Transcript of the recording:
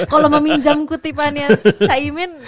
kalau meminjam kutipannya cah imin